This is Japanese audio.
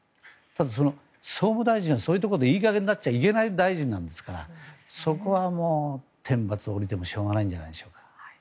ただ総務大臣はそういうところでいい加減になっちゃいけないいけない大臣なんですからそこは天罰が下りてもしょうがないんじゃないでしょうか。